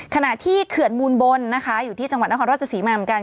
ขณะที่เขื่อนมูลบนนะคะอยู่ที่จังหวัดนครราชศรีมาเหมือนกัน